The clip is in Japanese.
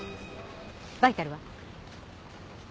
バイタルは？